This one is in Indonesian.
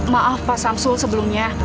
maaf pak samsul sebelumnya